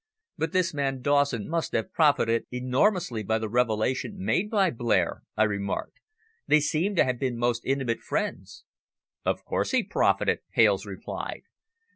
"But this man Dawson must have profited enormously by the revelation made by Blair," I remarked. "They seem to have been most intimate friends." "Of course he profited," Hales replied.